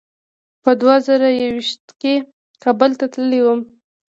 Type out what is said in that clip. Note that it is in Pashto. په دوه زره یو ویشت کې کابل ته تللی وم.